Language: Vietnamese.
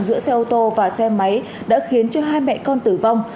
giữa xe ô tô và xe máy đã khiến hai mẹ con tử vong